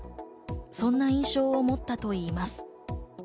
そんな印象を持ったといいます。